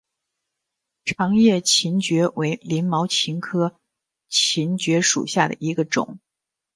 长叶黔蕨为鳞毛蕨科黔蕨属下的一个种。